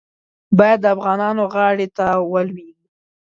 باید د افغانانو غاړې ته ولوېږي.